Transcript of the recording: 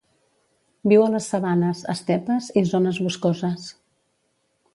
Viu a les sabanes, estepes i zones boscoses.